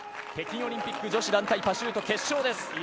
北京オリンピック女子団体パシュート決勝です。